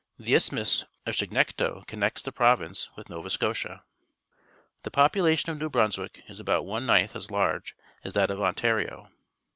The Isthmus of Chignecto connects the province with Nova Scotia. The population of New Brunswick is about one ninth as large as that of Ontario.